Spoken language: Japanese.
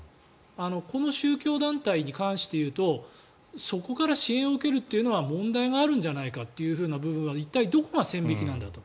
この宗教団体に関していうとそこから支援を受けるっていうのは問題があるんじゃないかという部分は一体、どこが線引きなんだよと。